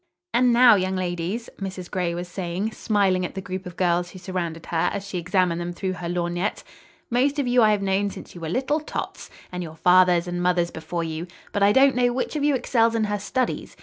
"And now, young ladies," Mrs. Gray was saying, smiling at the group of girls who surrounded her, as she examined them through her lorgnette, "most of you I have known since you were little tots, and your fathers and mothers before you; but I don't know which of you excels in her studies.